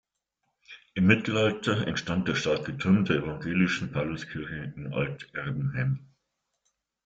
Im Mittelalter entstand der starke Turm der evangelischen Pauluskirche in Alt-Erbenheim.